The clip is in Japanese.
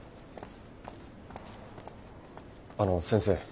あの先生。